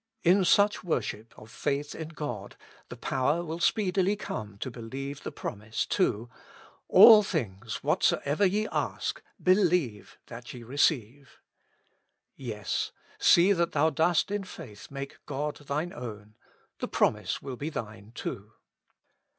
In such worship of faith in God the power will speedily come to believe the promise, too: '' All things whatso ever YE ask, believe THAT YE RECEIVE." YeS, see that thou dost in faith make God thine own ; the promise will be thine, too.